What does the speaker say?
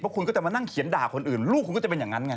คุณก็จะมานั่งเขียนด่าคนอื่นลูกคุณก็จะเป็นอย่างนั้นไง